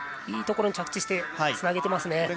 いいところに着地してつなげていますね。